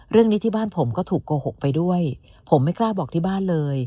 เรื่องนี้ที่บ้านผมก็ถูกโกหกไปด้วยผมไม่กล้าบอกที่บ้านเลย